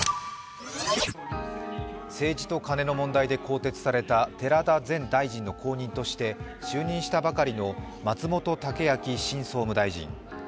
政治とカネの問題で更迭された寺田前大臣の後任として就任したばかりの松本剛明新総務大臣。